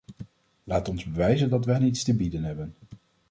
Laat ons bewijzen dat we hen iets te bieden hebben.